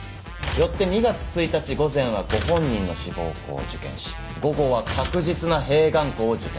よって２月１日午前はご本人の志望校を受験し午後は確実な併願校を受験。